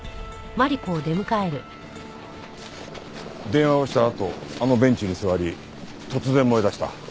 電話をしたあとあのベンチに座り突然燃えだした。